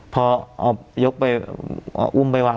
พ้อเอายกอุ้มไปวาง